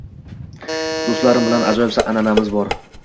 Do'stlarim bilan ajoyib an'anamiz bor